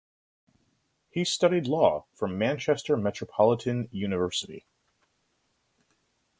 He studied law from Manchester Metropolitan University.